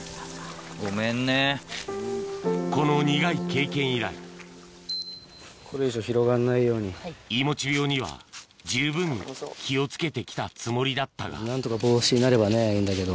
この苦い経験以来・これ以上広がんないように・いもち病には十分気を付けて来たつもりだったが何とか防止になればねいいんだけど。